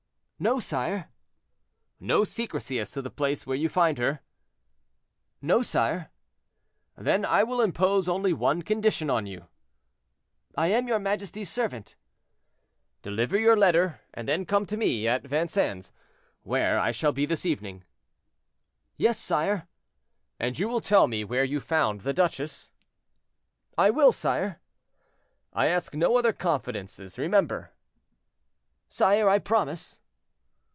"No, sire." "No secrecy as to the place where you find her?"—"No, sire." "Then I will impose only one condition on you." "I am your majesty's servant." "Deliver your letter, and then come to me at Vincennes, where I shall be this evening." "Yes, sire." "And you will tell me where you found the duchesse?" "I will, sire." "I ask no other confidences; remember." "Sire, I promise."